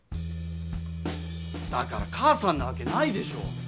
だから母さんなわけないでしょ。